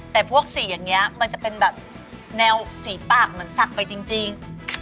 แต่พวกสีอย่างเนี้ยมันจะเป็นแบบแนวสีปากมันสักไปจริงจริง